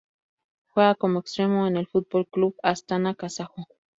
Juega como extremo en el Football Club Astana kazajo.